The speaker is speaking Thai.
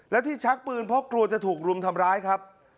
และที่ชักปืนเพราะกลัวจะถูกรุมทำร้ายครับ